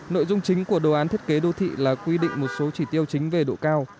nội dung chính của đồ án thiết kế đô thị là quy định một số chỉ tiêu chính về độ cao